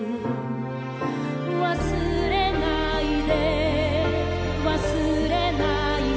「忘れないで忘れないで」